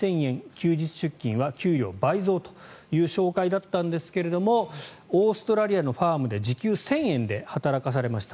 休日出勤は給料倍増という紹介だったんですがオーストラリアのファームで時給１０００円で働かされました。